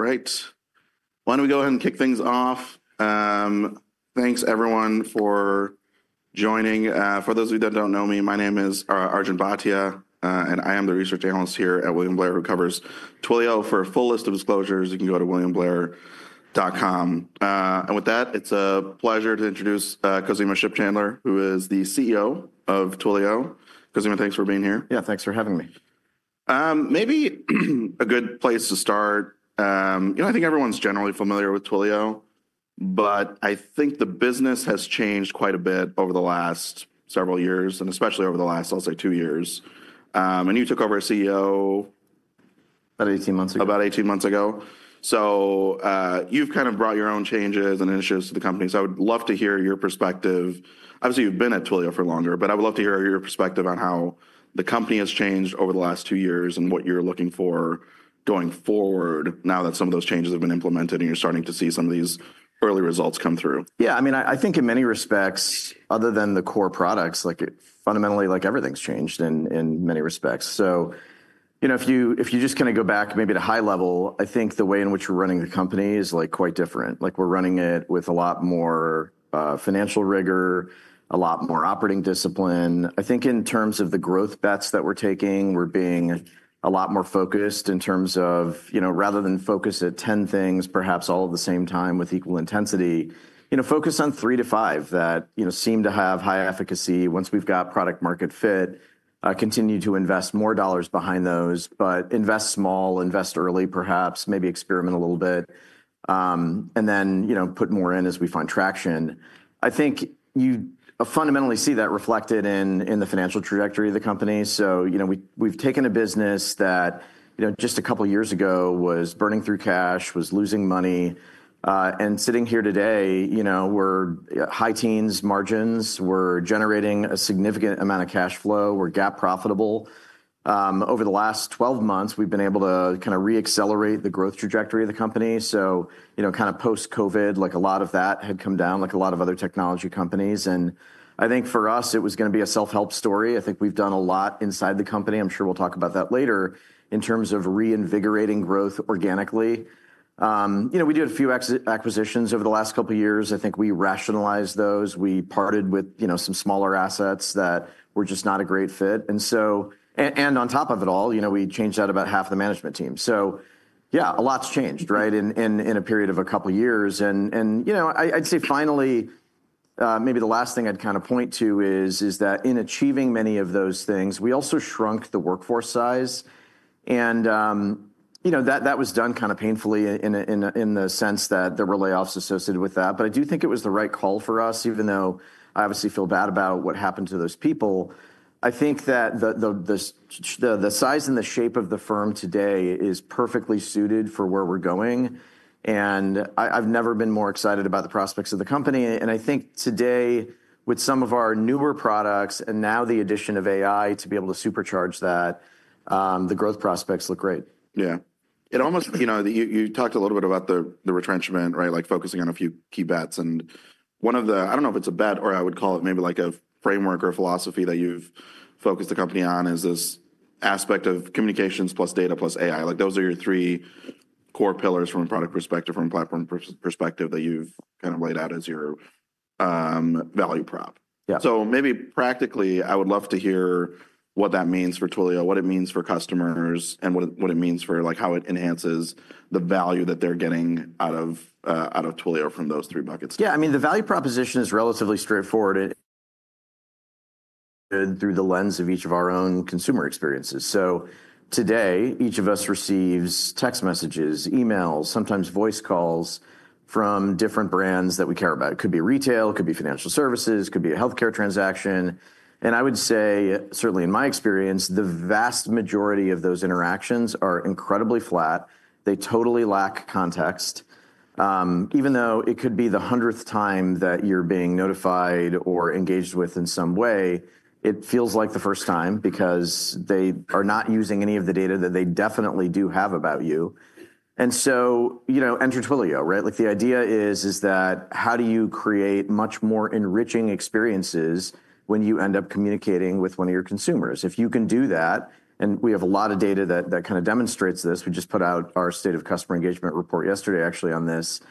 All right. Why don't we go ahead and kick things off? Thanks, everyone, for joining. For those of you that don't know me, my name is Arjun Bhatia, and I am the research analyst here at William Blair, who covers Twilio. For a full list of disclosures, you can go to williamblair.com. With that, it's a pleasure to introduce Khozema Shipchandler, who is the CEO of Twilio. Khozema, thanks for being here. Yeah, thanks for having me. Maybe a good place to start, you know, I think everyone's generally familiar with Twilio, but I think the business has changed quite a bit over the last several years, and especially over the last, I'll say, two years. You took over as CEO. About 18 months ago. About 18 months ago. You've kind of brought your own changes and initiatives to the company. I would love to hear your perspective. Obviously, you've been at Twilio for longer, but I would love to hear your perspective on how the company has changed over the last two years and what you're looking for going forward now that some of those changes have been implemented and you're starting to see some of these early results come through. Yeah, I mean, I think in many respects, other than the core products, fundamentally, everything's changed in many respects. You know, if you just kind of go back maybe to high level, I think the way in which we're running the company is quite different. Like, we're running it with a lot more financial rigor, a lot more operating discipline. I think in terms of the growth bets that we're taking, we're being a lot more focused in terms of, you know, rather than focus at 10 things, perhaps all at the same time with equal intensity, you know, focus on three to five that, you know, seem to have high efficacy. Once we've got product-market fit, continue to invest more dollars behind those, but invest small, invest early, perhaps, maybe experiment a little bit, and then, you know, put more in as we find traction. I think you fundamentally see that reflected in the financial trajectory of the company. You know, we've taken a business that, you know, just a couple of years ago was burning through cash, was losing money. Sitting here today, you know, we're high teens margins, we're generating a significant amount of cash flow, we're GAAP profitable. Over the last 12 months, we've been able to kind of re-accelerate the growth trajectory of the company. Kind of post-COVID, like a lot of that had come down, like a lot of other technology companies. I think for us, it was going to be a self-help story. I think we've done a lot inside the company. I'm sure we'll talk about that later in terms of reinvigorating growth organically. You know, we did a few acquisitions over the last couple of years. I think we rationalized those. We parted with, you know, some smaller assets that were just not a great fit. On top of it all, you know, we changed out about half the management team. Yeah, a lot's changed, right, in a period of a couple of years. You know, I'd say finally, maybe the last thing I'd kind of point to is that in achieving many of those things, we also shrunk the workforce size. You know, that was done kind of painfully in the sense that there were layoffs associated with that. I do think it was the right call for us, even though I obviously feel bad about what happened to those people. I think that the size and the shape of the firm today is perfectly suited for where we're going. I've never been more excited about the prospects of the company. I think today, with some of our newer products and now the addition of AI to be able to supercharge that, the growth prospects look great. Yeah. It almost, you know, you talked a little bit about the retrenchment, right, like focusing on a few key bets. And one of the, I do not know if it is a bet or I would call it maybe like a framework or a philosophy that you have focused the company on is this aspect of communications plus data plus AI. Like, those are your three core pillars from a product perspective, from a platform perspective that you have kind of laid out as your value prop. Yeah. Maybe practically, I would love to hear what that means for Twilio, what it means for customers, and what it means for, like, how it enhances the value that they're getting out of Twilio from those three buckets. Yeah, I mean, the value proposition is relatively straightforward. Through the lens of each of our own consumer experiences. Today, each of us receives text messages, emails, sometimes voice calls from different brands that we care about. It could be retail, it could be financial services, it could be a healthcare transaction. I would say, certainly in my experience, the vast majority of those interactions are incredibly flat. They totally lack context. Even though it could be the hundredth time that you're being notified or engaged with in some way, it feels like the first time because they are not using any of the data that they definitely do have about you. You know, enter Twilio, right? The idea is that how do you create much more enriching experiences when you end up communicating with one of your consumers? If you can do that, and we have a lot of data that kind of demonstrates this. We just put out our State of Customer Engagement Report yesterday, actually, on this.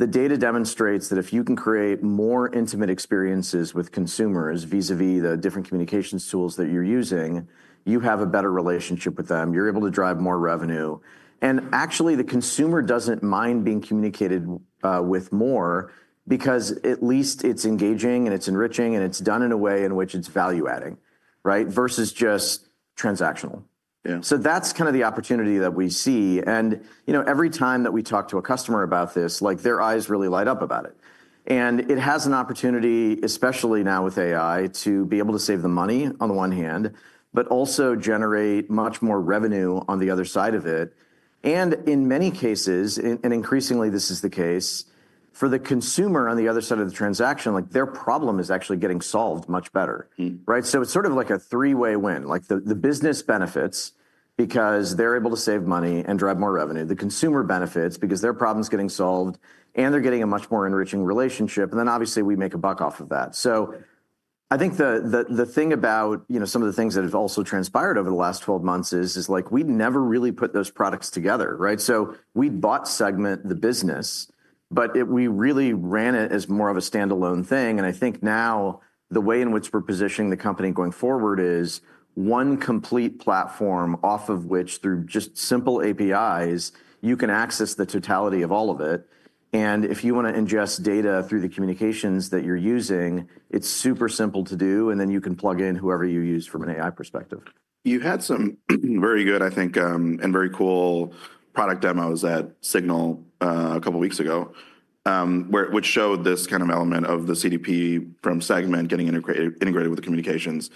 The data demonstrates that if you can create more intimate experiences with consumers vis-à-vis the different communications tools that you're using, you have a better relationship with them, you're able to drive more revenue. Actually, the consumer doesn't mind being communicated with more because at least it's engaging and it's enriching and it's done in a way in which it's value-adding, right, versus just transactional. Yeah. That's kind of the opportunity that we see. You know, every time that we talk to a customer about this, like, their eyes really light up about it. It has an opportunity, especially now with AI, to be able to save them money on the one hand, but also generate much more revenue on the other side of it. In many cases, and increasingly this is the case, for the consumer on the other side of the transaction, like, their problem is actually getting solved much better, right? It's sort of like a three-way win. The business benefits because they're able to save money and drive more revenue. The consumer benefits because their problem's getting solved and they're getting a much more enriching relationship. Then obviously we make a buck off of that. I think the thing about, you know, some of the things that have also transpired over the last 12 months is, like, we never really put those products together, right? We bought Segment, the business, but we really ran it as more of a standalone thing. I think now the way in which we're positioning the company going forward is one complete platform off of which, through just simple APIs, you can access the totality of all of it. If you want to ingest data through the communications that you're using, it's super simple to do, and then you can plug in whoever you use from an AI perspective. You had some very good, I think, and very cool product demos at Signal a couple of weeks ago, which showed this kind of element of the CDP from Segment getting integrated with the communications.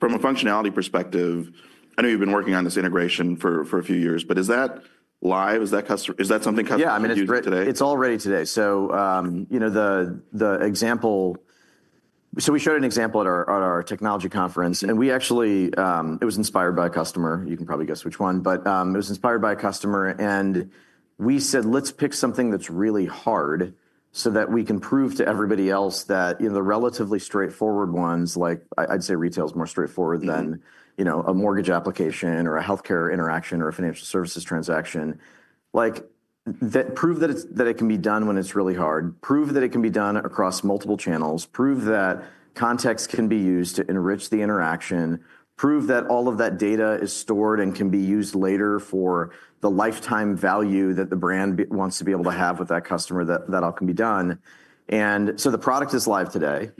From a functionality perspective, I know you've been working on this integration for a few years, but is that live? Is that something customers can do today? Yeah, I mean, it's already today. You know, the example, we showed an example at our technology conference, and we actually, it was inspired by a customer. You can probably guess which one, but it was inspired by a customer. We said, let's pick something that's really hard so that we can prove to everybody else that, you know, the relatively straightforward ones, like, I'd say retail is more straightforward than, you know, a mortgage application or a healthcare interaction or a financial services transaction, like, prove that it can be done when it's really hard, prove that it can be done across multiple channels, prove that context can be used to enrich the interaction, prove that all of that data is stored and can be used later for the lifetime value that the brand wants to be able to have with that customer, that all can be done. The product is live today.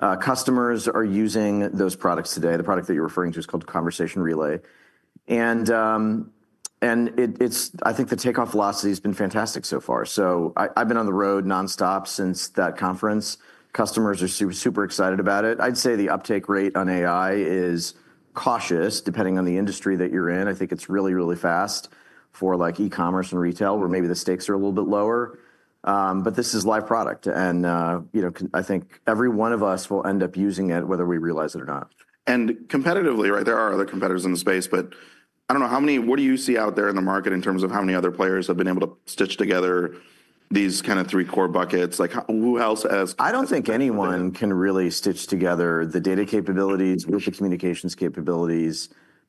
Customers are using those products today. The product that you're referring to is called Conversation Relay. I think the takeoff velocity has been fantastic so far. I've been on the road nonstop since that conference. Customers are super excited about it. I'd say the uptake rate on AI is cautious depending on the industry that you're in. I think it's really, really fast for, like, e-commerce and retail where maybe the stakes are a little bit lower. This is live product. And, you know, I think every one of us will end up using it, whether we realize it or not. Competitively, right, there are other competitors in the space, but I don't know how many. What do you see out there in the market in terms of how many other players have been able to stitch together these kind of three core buckets? Like, who else has? I don't think anyone can really stitch together the data capabilities, with the communications capabilities,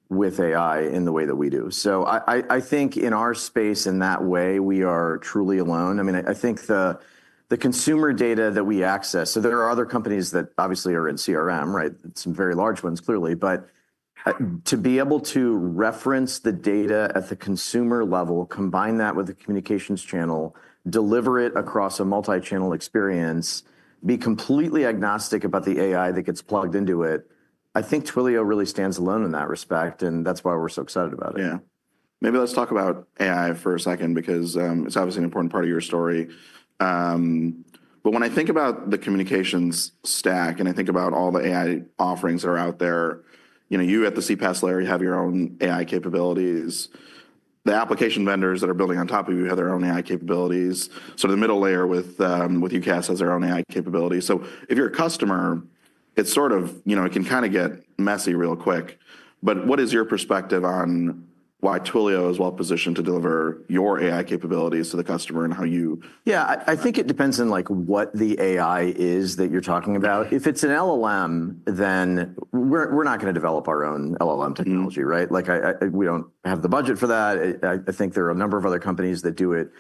with AI in the way that we do. I think in our space, in that way, we are truly alone. I mean, I think the consumer data that we access, so there are other companies that obviously are in CRM, right? Some very large ones, clearly. To be able to reference the data at the consumer level, combine that with the communications channel, deliver it across a multi-channel experience, be completely agnostic about the AI that gets plugged into it, I think Twilio really stands alone in that respect, and that's why we're so excited about it. Yeah. Maybe let's talk about AI for a second because it's obviously an important part of your story. But when I think about the communications stack and I think about all the AI offerings that are out there, you know, you at the CPaaS layer have your own AI capabilities. The application vendors that are building on top of you have their own AI capabilities. So the middle layer with UCaaS has their own AI capabilities. So if you're a customer, it's sort of, you know, it can kind of get messy real quick. But what is your perspective on why Twilio is well positioned to deliver your AI capabilities to the customer and how you? Yeah, I think it depends on, like, what the AI is that you're talking about. If it's an LLM, then we're not going to develop our own LLM technology, right? Like, we don't have the budget for that. I think there are a number of other companies that do it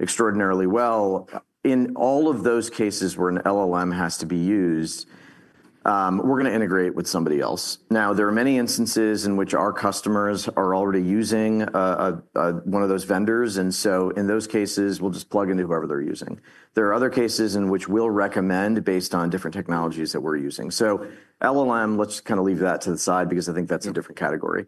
extraordinarily well. In all of those cases where an LLM has to be used, we're going to integrate with somebody else. Now, there are many instances in which our customers are already using one of those vendors. And in those cases, we'll just plug into whoever they're using. There are other cases in which we'll recommend based on different technologies that we're using. LLM, let's kind of leave that to the side because I think that's a different category.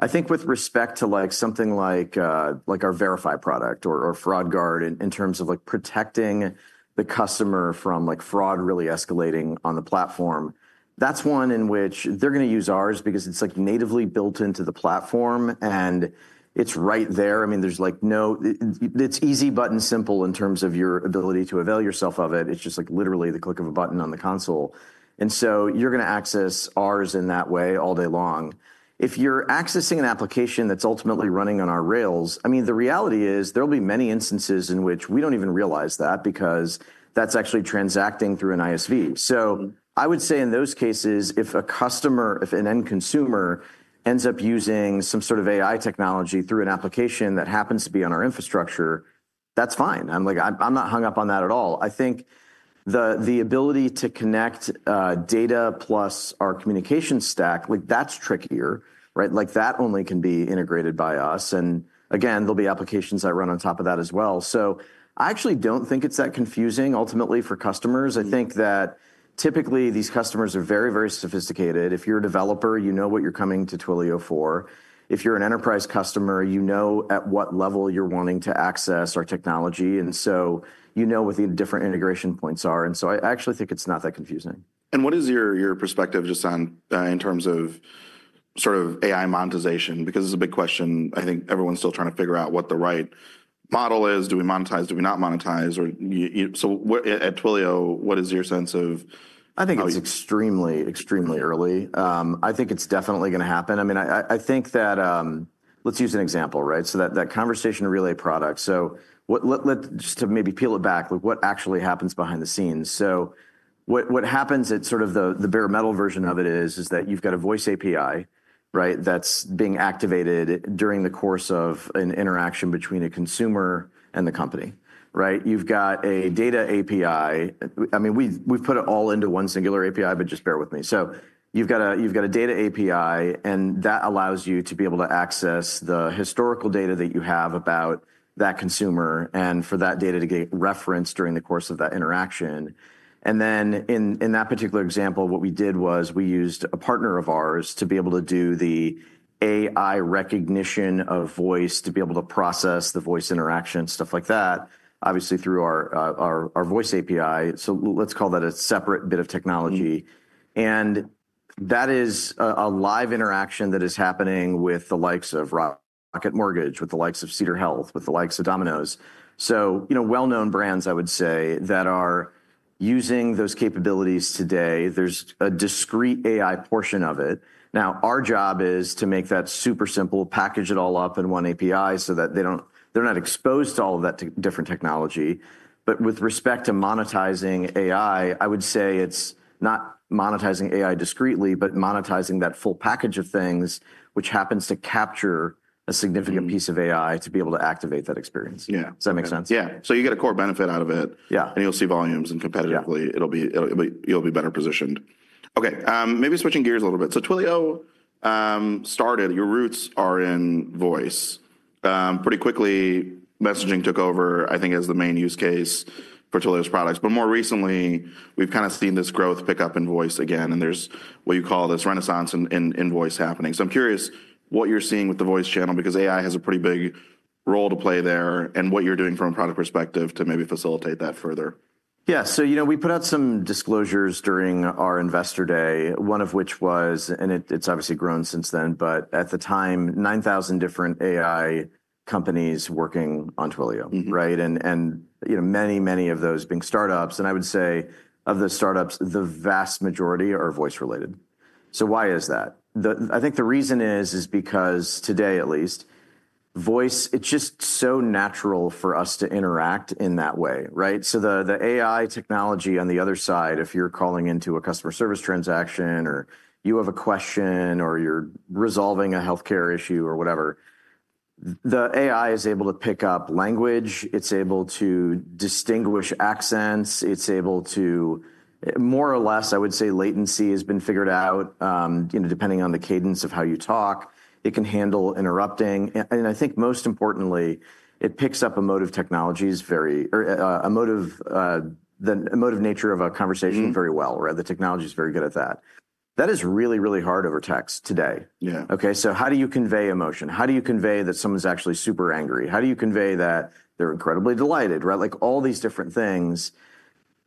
I think with respect to, like, something like our Verify product or Fraud Guard in terms of, like, protecting the customer from, like, fraud really escalating on the platform, that's one in which they're going to use ours because it's, like, natively built into the platform and it's right there. I mean, there's, like, no, it's easy, button, simple in terms of your ability to avail yourself of it. It's just, like, literally the click of a button on the console. You are going to access ours in that way all day long. If you're accessing an application that's ultimately running on our rails, I mean, the reality is there'll be many instances in which we don't even realize that because that's actually transacting through an ISV. I would say in those cases, if a customer, if an end consumer ends up using some sort of AI technology through an application that happens to be on our infrastructure, that's fine. I'm like, I'm not hung up on that at all. I think the ability to connect data plus our communication stack, like, that's trickier, right? That only can be integrated by us. Again, there'll be applications that run on top of that as well. I actually don't think it's that confusing ultimately for customers. I think that typically these customers are very, very sophisticated. If you're a developer, you know what you're coming to Twilio for. If you're an enterprise customer, you know at what level you're wanting to access our technology. You know what the different integration points are. I actually think it's not that confusing. What is your perspective just on in terms of sort of AI monetization? Because it's a big question. I think everyone's still trying to figure out what the right model is. Do we monetize? Do we not monetize? At Twilio, what is your sense of? I think it's extremely, extremely early. I think it's definitely going to happen. I mean, I think that let's use an example, right? That Conversation Relay product. Just to maybe peel it back, like, what actually happens behind the scenes? What happens at sort of the bare metal version of it is that you've got a voice API, right, that's being activated during the course of an interaction between a consumer and the company, right? You've got a data API. I mean, we've put it all into one singular API, but just bear with me. You've got a data API, and that allows you to be able to access the historical data that you have about that consumer and for that data to get referenced during the course of that interaction. In that particular example, what we did was we used a partner of ours to be able to do the AI recognition of voice to be able to process the voice interaction, stuff like that, obviously through our voice API. Let's call that a separate bit of technology. That is a live interaction that is happening with the likes of Rocket Mortgage, with the likes of Cedar Health, with the likes of Domino's. You know, well-known brands, I would say, that are using those capabilities today. There is a discrete AI portion of it. Now, our job is to make that super simple, package it all up in one API so that they are not exposed to all of that different technology. With respect to monetizing AI, I would say it's not monetizing AI discretely, but monetizing that full package of things, which happens to capture a significant piece of AI to be able to activate that experience. Yeah. Does that make sense? Yeah. So you get a core benefit out of it. Yeah. You'll see volumes and competitively, you'll be better positioned. Okay. Maybe switching gears a little bit. Twilio started, your roots are in voice. Pretty quickly, messaging took over, I think, as the main use case for Twilio's products. More recently, we've kind of seen this growth pick up in voice again. There's what you call this renaissance in voice happening. I'm curious what you're seeing with the voice channel because AI has a pretty big role to play there and what you're doing from a product perspective to maybe facilitate that further. Yeah. So, you know, we put out some disclosures during our investor day, one of which was, and it's obviously grown since then, but at the time, 9,000 different AI companies working on Twilio, right? And, you know, many, many of those being startups. I would say of the startups, the vast majority are voice related. Why is that? I think the reason is, is because today, at least, voice, it's just so natural for us to interact in that way, right? The AI technology on the other side, if you're calling into a customer service transaction or you have a question or you're resolving a healthcare issue or whatever, the AI is able to pick up language. It's able to distinguish accents. It's able to, more or less, I would say latency has been figured out, you know, depending on the cadence of how you talk. It can handle interrupting. I think most importantly, it picks up emotive technologies very, or emotive, the emotive nature of a conversation very well, right? The technology is very good at that. That is really, really hard over text today. Yeah. Okay. So how do you convey emotion? How do you convey that someone's actually super angry? How do you convey that they're incredibly delighted, right? Like all these different things,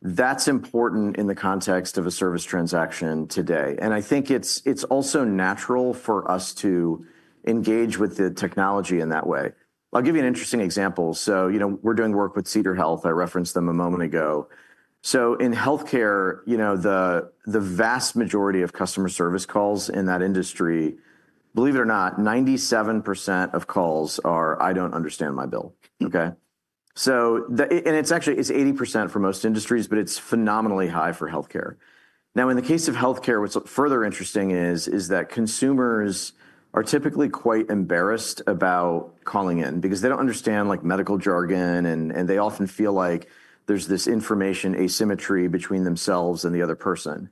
that's important in the context of a service transaction today. I think it's also natural for us to engage with the technology in that way. I'll give you an interesting example. You know, we're doing work with Cedar Health. I referenced them a moment ago. In healthcare, you know, the vast majority of customer service calls in that industry, believe it or not, 97% of calls are, "I don't understand my bill." It's actually 80% for most industries, but it's phenomenally high for healthcare. Now, in the case of healthcare, what's further interesting is that consumers are typically quite embarrassed about calling in because they don't understand, like, medical jargon, and they often feel like there's this information asymmetry between themselves and the other person.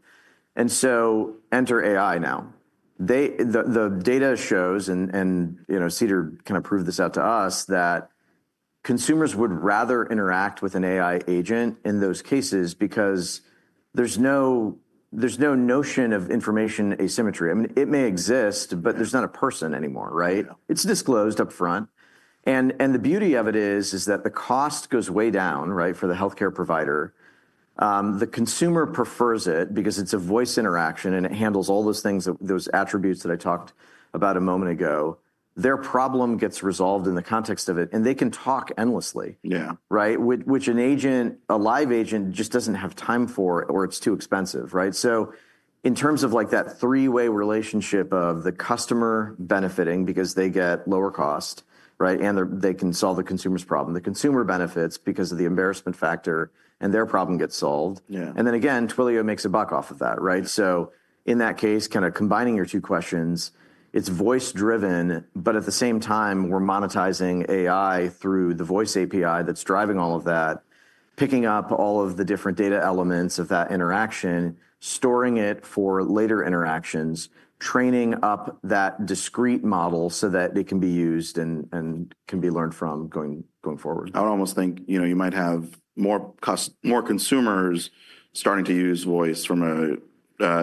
You know, enter AI now. The data shows, and, you know, Cedar kind of proved this out to us, that consumers would rather interact with an AI agent in those cases because there's no notion of information asymmetry. I mean, it may exist, but there's not a person anymore, right? It's disclosed upfront. The beauty of it is that the cost goes way down, right, for the healthcare provider. The consumer prefers it because it's a voice interaction and it handles all those things, those attributes that I talked about a moment ago. Their problem gets resolved in the context of it, and they can talk endlessly. Yeah. Right? Which an agent, a live agent just does not have time for, or it is too expensive, right? In terms of, like, that three-way relationship of the customer benefiting because they get lower cost, right? And they can solve the consumer's problem. The consumer benefits because of the embarrassment factor and their problem gets solved. Yeah. Twilio makes a buck off of that, right? In that case, kind of combining your two questions, it's voice-driven, but at the same time, we're monetizing AI through the voice API that's driving all of that, picking up all of the different data elements of that interaction, storing it for later interactions, training up that discrete model so that it can be used and can be learned from going forward. I would almost think, you know, you might have more consumers starting to use voice from a,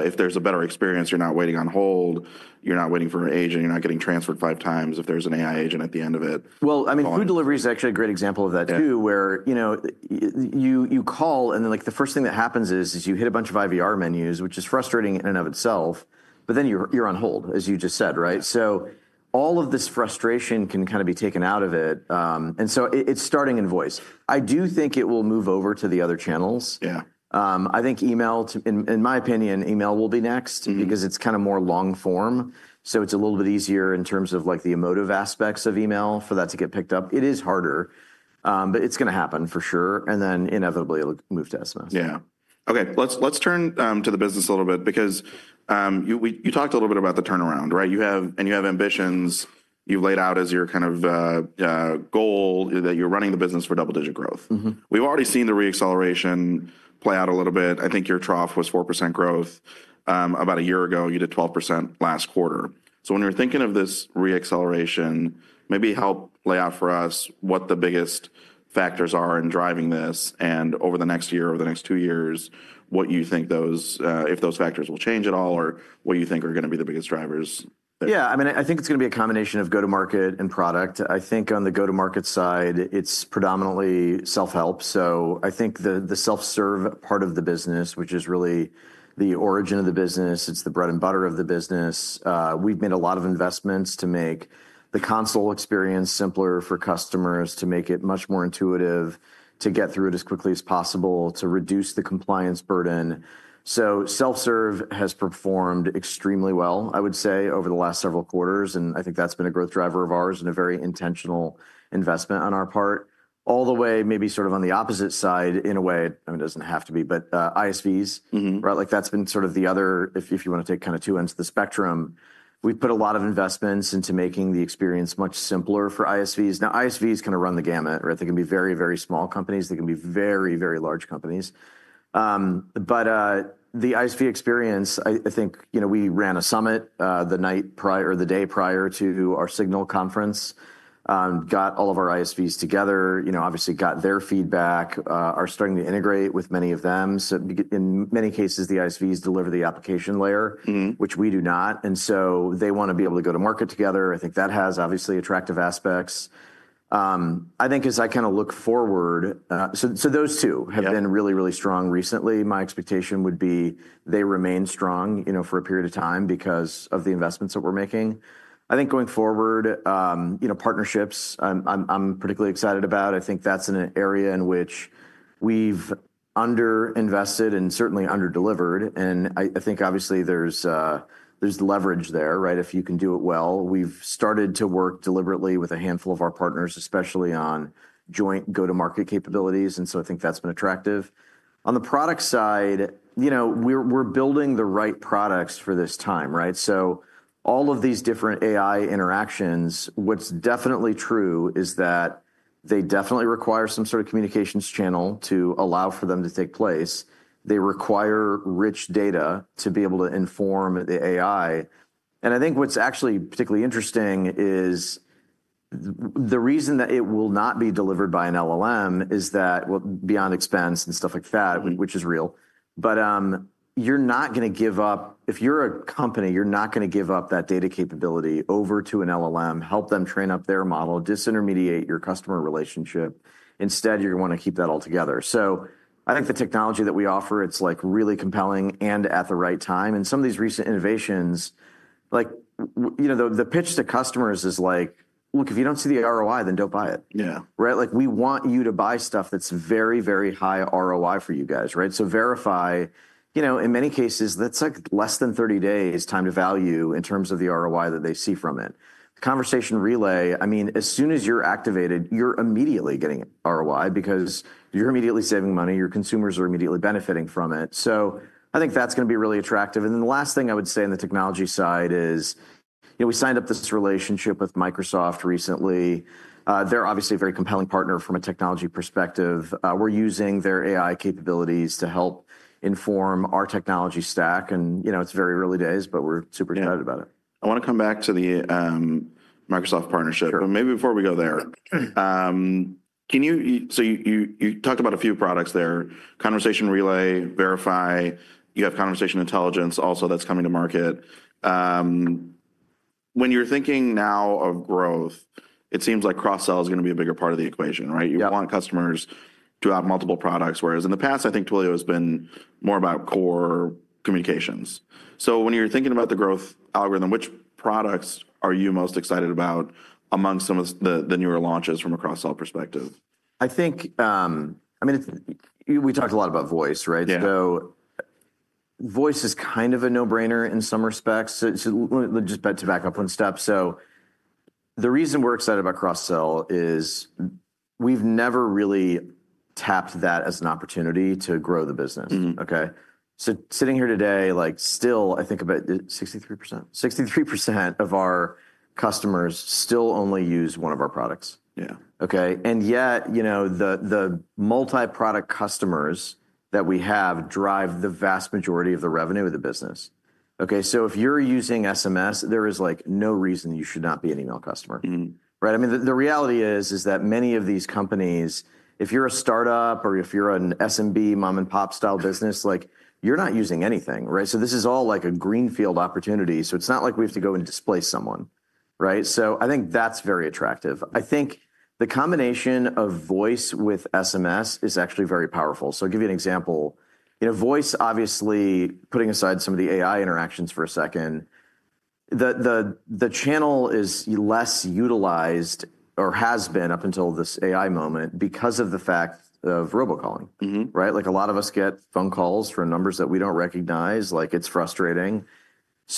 if there's a better experience, you're not waiting on hold, you're not waiting for an agent, you're not getting transferred five times if there's an AI agent at the end of it. I mean, food delivery is actually a great example of that too, where, you know, you call and then, like, the first thing that happens is you hit a bunch of IVR menus, which is frustrating in and of itself, but then you're on hold, as you just said, right? All of this frustration can kind of be taken out of it. It is starting in voice. I do think it will move over to the other channels. Yeah. I think email, in my opinion, email will be next because it's kind of more long form. So it's a little bit easier in terms of, like, the emotive aspects of email for that to get picked up. It is harder, but it's going to happen for sure. And then inevitably, it'll move to SMS. Yeah. Okay. Let's turn to the business a little bit because you talked a little bit about the turnaround, right? You have, and you have ambitions you've laid out as your kind of goal that you're running the business for double-digit growth. We've already seen the reacceleration play out a little bit. I think your trough was 4% growth. About a year ago, you did 12% last quarter. When you're thinking of this reacceleration, maybe help lay out for us what the biggest factors are in driving this and over the next year, over the next two years, what you think those, if those factors will change at all or what you think are going to be the biggest drivers. Yeah. I mean, I think it's going to be a combination of go-to-market and product. I think on the go-to-market side, it's predominantly self-help. I think the self-serve part of the business, which is really the origin of the business, it's the bread and butter of the business. We've made a lot of investments to make the console experience simpler for customers, to make it much more intuitive, to get through it as quickly as possible, to reduce the compliance burden. Self-serve has performed extremely well, I would say, over the last several quarters. I think that's been a growth driver of ours and a very intentional investment on our part. All the way, maybe sort of on the opposite side in a way, I mean, it doesn't have to be, but ISVs, right? Like that's been sort of the other, if you want to take kind of two ends of the spectrum, we've put a lot of investments into making the experience much simpler for ISVs. Now, ISVs kind of run the gamut, right? They can be very, very small companies. They can be very, very large companies. But the ISV experience, I think, you know, we ran a summit the night prior or the day prior to our Signal conference, got all of our ISVs together, you know, obviously got their feedback, are starting to integrate with many of them. In many cases, the ISVs deliver the application layer, which we do not. They want to be able to go to market together. I think that has obviously attractive aspects. I think as I kind of look forward, those two have been really, really strong recently. My expectation would be they remain strong, you know, for a period of time because of the investments that we're making. I think going forward, you know, partnerships, I'm particularly excited about. I think that's an area in which we've under-invested and certainly under-delivered. I think obviously there's leverage there, right? If you can do it well, we've started to work deliberately with a handful of our partners, especially on joint go-to-market capabilities. I think that's been attractive. On the product side, you know, we're building the right products for this time, right? All of these different AI interactions, what's definitely true is that they definitely require some sort of communications channel to allow for them to take place. They require rich data to be able to inform the AI. I think what's actually particularly interesting is the reason that it will not be delivered by an LLM is that, well, beyond expense and stuff like that, which is real. You're not going to give up, if you're a company, you're not going to give up that data capability over to an LLM, help them train up their model, disintermediate your customer relationship. Instead, you're going to want to keep that all together. I think the technology that we offer, it's like really compelling and at the right time. Some of these recent innovations, like, you know, the pitch to customers is like, look, if you don't see the ROI, then don't buy it. Yeah. Right? Like we want you to buy stuff that's very, very high ROI for you guys, right? So Verify, you know, in many cases, that's like less than 30 days time to value in terms of the ROI that they see from it. Conversation Relay, I mean, as soon as you're activated, you're immediately getting ROI because you're immediately saving money. Your consumers are immediately benefiting from it. I think that's going to be really attractive. The last thing I would say on the technology side is, you know, we signed up this relationship with Microsoft recently. They're obviously a very compelling partner from a technology perspective. We're using their AI capabilities to help inform our technology stack. You know, it's very early days, but we're super excited about it. I want to come back to the Microsoft partnership. Sure. Maybe before we go there, can you, so you talked about a few products there, Conversation Relay, Verify, you have Conversation Intelligence also that's coming to market. When you're thinking now of growth, it seems like cross-sell is going to be a bigger part of the equation, right? Yeah. You want customers to have multiple products, whereas in the past, I think Twilio has been more about core communications. When you're thinking about the growth algorithm, which products are you most excited about among some of the newer launches from a cross-sell perspective? I think, I mean, we talked a lot about voice, right? Yeah. Voice is kind of a no-brainer in some respects. Let me just back up one step. The reason we're excited about cross-sell is we've never really tapped that as an opportunity to grow the business, okay? Sitting here today, like still, I think about 63% of our customers still only use one of our products. Yeah. Okay? Yet, you know, the multi-product customers that we have drive the vast majority of the revenue of the business, okay? If you're using SMS, there is like no reason you should not be an email customer, right? I mean, the reality is, is that many of these companies, if you're a startup or if you're an SMB, mom-and-pop style business, like you're not using anything, right? This is all like a greenfield opportunity. It's not like we have to go and displace someone, right? I think that's very attractive. I think the combination of voice with SMS is actually very powerful. I'll give you an example. You know, voice, obviously, putting aside some of the AI interactions for a second, the channel is less utilized or has been up until this AI moment because of the fact of robocalling, right? Like a lot of us get phone calls from numbers that we don't recognize. Like it's frustrating.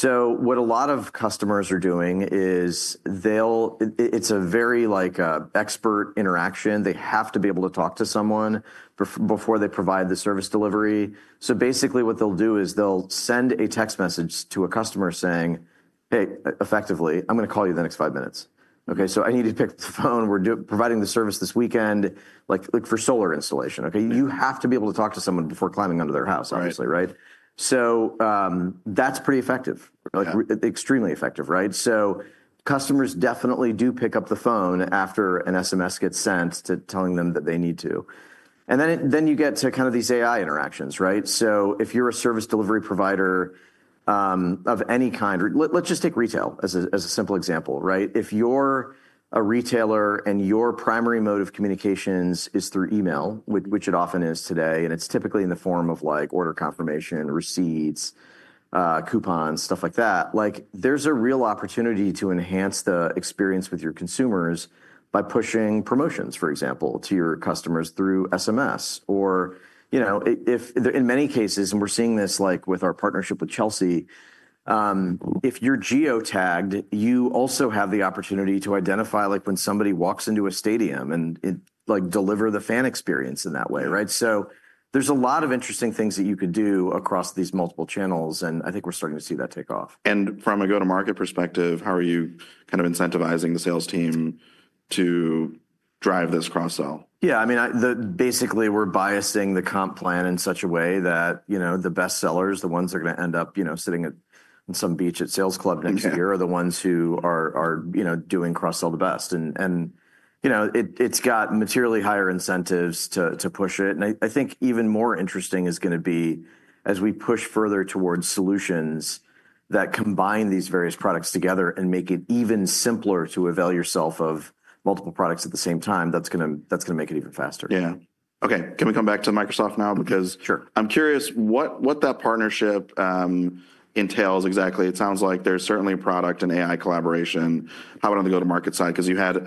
What a lot of customers are doing is they'll, it's a very expert interaction. They have to be able to talk to someone before they provide the service delivery. Basically what they'll do is they'll send a text message to a customer saying, "Hey, effectively, I'm going to call you in the next five minutes." Okay? I need you to pick up the phone. We're providing the service this weekend, like for solar installation, okay? You have to be able to talk to someone before climbing under their house, obviously, right? That's pretty effective, like extremely effective, right? Customers definitely do pick up the phone after an SMS gets sent to telling them that they need to. Then you get to kind of these AI interactions, right? If you're a service delivery provider of any kind, let's just take retail as a simple example, right? If you're a retailer and your primary mode of communications is through email, which it often is today, and it's typically in the form of like order confirmation, receipts, coupons, stuff like that, like there's a real opportunity to enhance the experience with your consumers by pushing promotions, for example, to your customers through SMS or, you know, if in many cases, and we're seeing this like with our partnership with Chelsea, if you're geo-tagged, you also have the opportunity to identify like when somebody walks into a stadium and like deliver the fan experience in that way, right? There's a lot of interesting things that you could do across these multiple channels. I think we're starting to see that take off. From a go-to-market perspective, how are you kind of incentivizing the sales team to drive this cross-sell? Yeah. I mean, basically we're biasing the comp plan in such a way that, you know, the best sellers, the ones that are going to end up, you know, sitting at some beach at sales club next year are the ones who are, you know, doing cross-sell the best. You know, it's got materially higher incentives to push it. I think even more interesting is going to be as we push further towards solutions that combine these various products together and make it even simpler to avail yourself of multiple products at the same time. That's going to make it even faster. Yeah. Okay. Can we come back to Microsoft now? Because. Sure. I'm curious what that partnership entails exactly. It sounds like there's certainly a product, an AI collaboration. How about on the go-to-market side? Because you had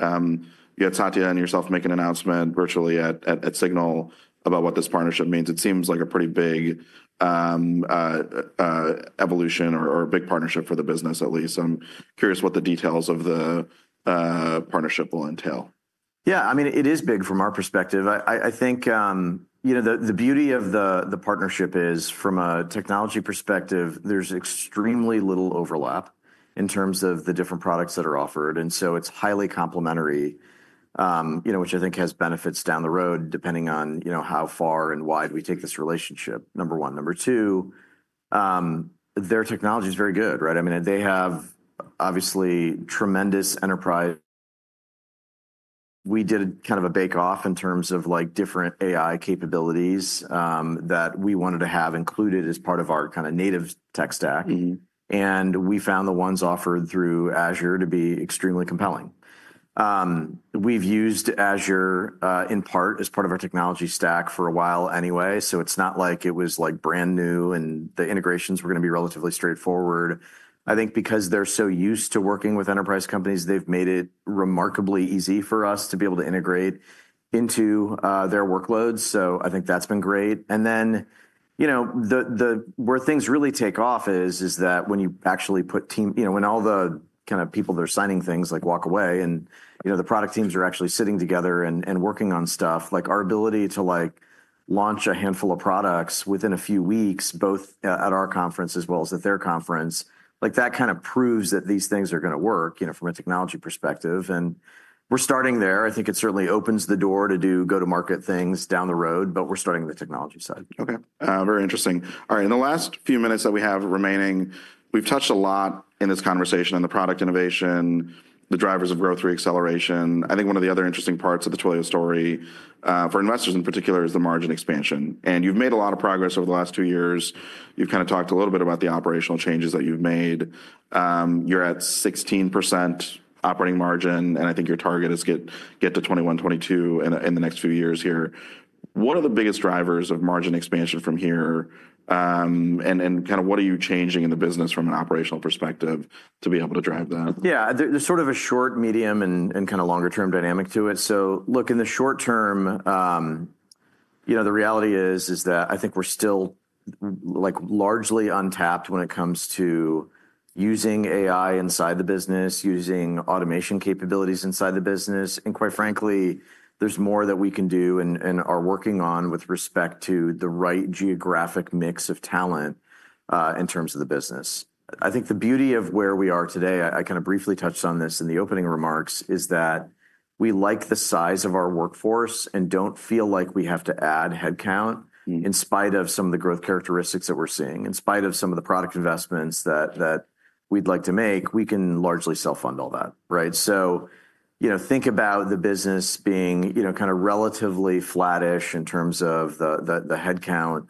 Satya and yourself making an announcement virtually at Signal about what this partnership means. It seems like a pretty big evolution or a big partnership for the business at least. I'm curious what the details of the partnership will entail. Yeah. I mean, it is big from our perspective. I think, you know, the beauty of the partnership is from a technology perspective, there is extremely little overlap in terms of the different products that are offered. It is highly complementary, you know, which I think has benefits down the road depending on, you know, how far and wide we take this relationship, number one. Number two, their technology is very good, right? I mean, they have obviously tremendous enterprise. We did kind of a bake-off in terms of like different AI capabilities that we wanted to have included as part of our kind of native tech stack. We found the ones offered through Azure to be extremely compelling. We have used Azure in part as part of our technology stack for a while anyway. It is not like it was brand new and the integrations were going to be relatively straightforward. I think because they are so used to working with enterprise companies, they have made it remarkably easy for us to be able to integrate into their workloads. I think that has been great. You know, where things really take off is that when you actually put team, you know, when all the kind of people that are signing things walk away and, you know, the product teams are actually sitting together and working on stuff, our ability to launch a handful of products within a few weeks, both at our conference as well as at their conference, that kind of proves that these things are going to work, you know, from a technology perspective. We are starting there. I think it certainly opens the door to do go-to-market things down the road, but we're starting the technology side. Okay. Very interesting. All right. In the last few minutes that we have remaining, we've touched a lot in this conversation on the product innovation, the drivers of growth through acceleration. I think one of the other interesting parts of the Twilio story for investors in particular is the margin expansion. You've made a lot of progress over the last two years. You've kind of talked a little bit about the operational changes that you've made. You're at 16% operating margin, and I think your target is to get to 21-22% in the next few years here. What are the biggest drivers of margin expansion from here? And kind of what are you changing in the business from an operational perspective to be able to drive that? Yeah. There's sort of a short, medium, and kind of longer-term dynamic to it. Look, in the short term, you know, the reality is that I think we're still like largely untapped when it comes to using AI inside the business, using automation capabilities inside the business. Quite frankly, there's more that we can do and are working on with respect to the right geographic mix of talent in terms of the business. I think the beauty of where we are today, I kind of briefly touched on this in the opening remarks, is that we like the size of our workforce and don't feel like we have to add headcount in spite of some of the growth characteristics that we're seeing, in spite of some of the product investments that we'd like to make, we can largely self-fund all that, right? You know, think about the business being, you know, kind of relatively flattish in terms of the headcount.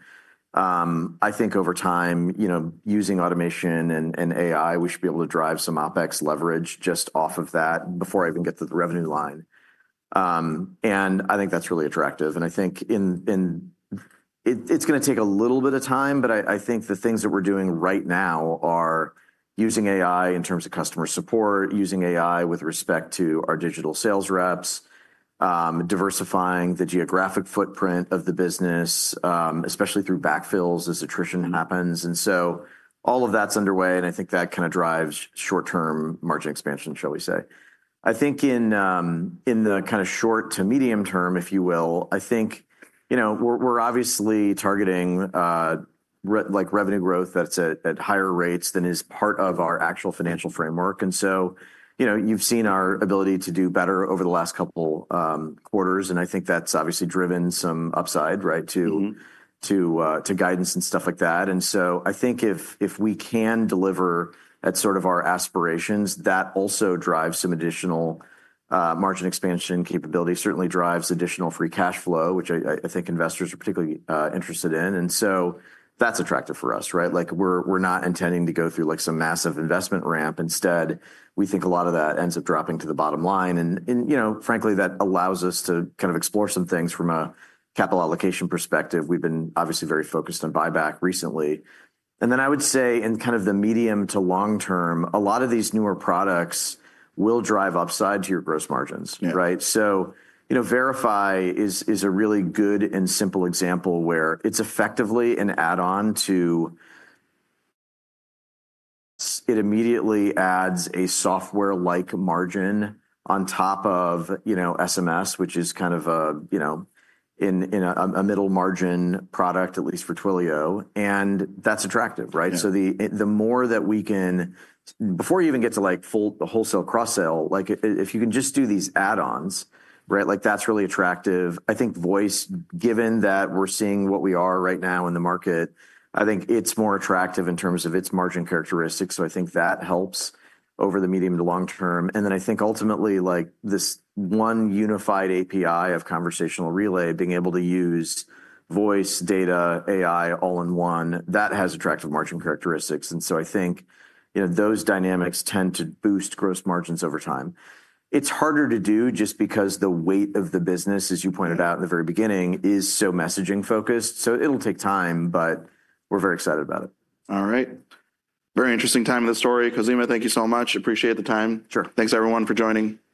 I think over time, you know, using automation and AI, we should be able to drive some OpEx leverage just off of that before I even get to the revenue line. I think that's really attractive. I think it's going to take a little bit of time, but I think the things that we're doing right now are using AI in terms of customer support, using AI with respect to our digital sales reps, diversifying the geographic footprint of the business, especially through backfills as attrition happens. All of that's underway. I think that kind of drives short-term margin expansion, shall we say. I think in the kind of short to medium term, if you will, I think, you know, we're obviously targeting like revenue growth that's at higher rates than is part of our actual financial framework. You know, you've seen our ability to do better over the last couple quarters. I think that's obviously driven some upside, right, to guidance and stuff like that. I think if we can deliver at sort of our aspirations, that also drives some additional margin expansion capability, certainly drives additional free cash flow, which I think investors are particularly interested in. That's attractive for us, right? Like we're not intending to go through like some massive investment ramp. Instead, we think a lot of that ends up dropping to the bottom line. You know, frankly, that allows us to kind of explore some things from a capital allocation perspective. We've been obviously very focused on buyback recently. I would say in kind of the medium to long term, a lot of these newer products will drive upside to your gross margins, right? You know, Verify is a really good and simple example where it's effectively an add-on to it immediately adds a software-like margin on top of, you know, SMS, which is kind of a, you know, in a middle margin product, at least for Twilio. That's attractive, right? The more that we can, before you even get to like full wholesale cross-sell, like if you can just do these add-ons, right, like that's really attractive. I think voice, given that we're seeing what we are right now in the market, I think it's more attractive in terms of its margin characteristics. I think that helps over the medium to long term. I think ultimately like this one unified API of Conversation Relay, being able to use voice, data, AI all in one, that has attractive margin characteristics. I think, you know, those dynamics tend to boost gross margins over time. It's harder to do just because the weight of the business, as you pointed out in the very beginning, is so messaging focused. It'll take time, but we're very excited about it. All right. Very interesting time in the story. Khozema, thank you so much. Appreciate the time. Sure. Thanks everyone for joining. Great.